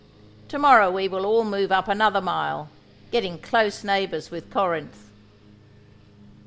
To morrow we all move up another mile, getting close neighbors with Corinth.